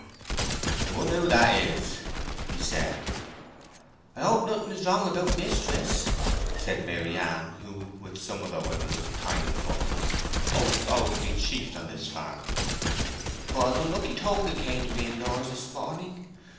"I wonder who that is?" he said. "I hope nothing is wrong about mistress," said Maryann, who with some other women was tying the bundles (oats being always sheafed on this farm), "but an unlucky token came to me indoors this morning.